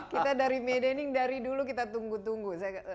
kita dari medaning dari dulu kita tunggu tunggu